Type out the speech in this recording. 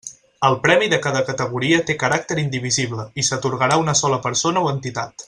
El premi de cada categoria té caràcter indivisible i s'atorgarà a una sola persona o entitat.